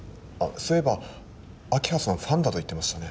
そういえば明葉さんファンだと言ってましたね